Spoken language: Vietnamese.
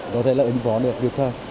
có thể là ứng phó được được thôi